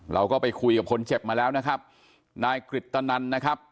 เราก็ไปคุยกับคนเจ็บมาแล้วนายกริสตานัน